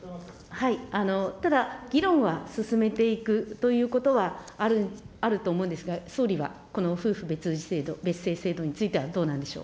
ただ議論は進めていくということは、あると思うんですが、総理はこの夫婦別氏制度、別姓制度についてはどうなんでしょう。